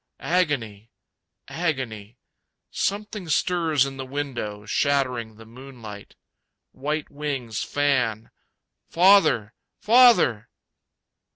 Agony. Agony. Something stirs in the window, Shattering the moonlight. White wings fan. Father, Father!